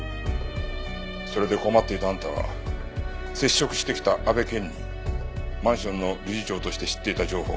それで困っていたあんたは接触してきた阿部健にマンションの理事長として知っていた情報